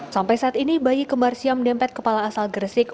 sampai saat ini bayi kembarsiam dempet kepala asal gresik